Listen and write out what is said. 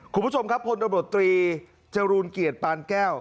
คุณผู้ชมครับพลตำรวจตรีจรูลเกียรติปานแก้ว